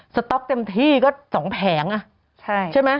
สต๊อกเต็มที่ก็๒แผงอ่ะใช่ไหม